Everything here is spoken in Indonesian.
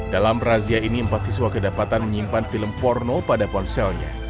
dalam razia ini empat siswa kedapatan menyimpan film porno pada ponselnya